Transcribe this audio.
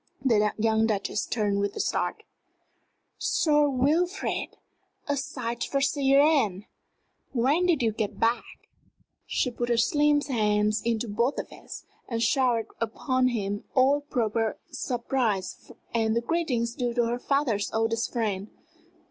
The young Duchess turned with a start. "Sir Wilfrid! A sight for sair een. When did you get back?" She put her slim hands into both of his, and showered upon him all proper surprise and the greetings due to her father's oldest friend.